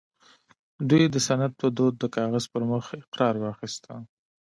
دوی د سند په دود د کاغذ پر مخ اقرار واخيسته